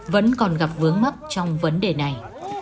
vẫn còn gặp vướng mắt trong vấn đề này